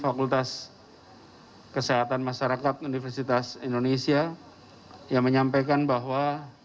fakultas kesehatan masyarakat universitas indonesia yang menyampaikan bahwa